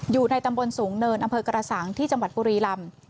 อยู่ในตำบลสูงเนินอำเภอกระสังที่จังหวัดบุรีลำ